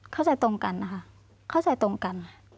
เข้าใจตรงกันนะคะเข้าใจตรงกัน